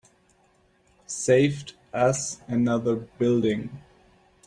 Saved us another building.